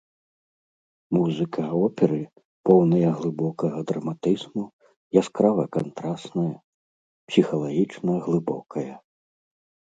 Музыка оперы поўная глыбокага драматызму, яскрава кантрасная, псіхалагічна глыбокая.